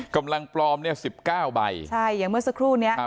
กำลังปลอมเนี่ยสิบเก้าใบใช่อย่างเมื่อสักครู่เนี้ยครับ